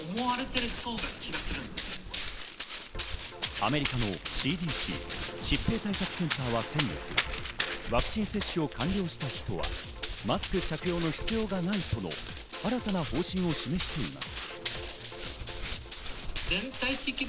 アメリカのＣＤＣ＝疾病対策センターは先月、ワクチン接種を完了した人はマスク着用の必要がないとの新たな方針を示しています。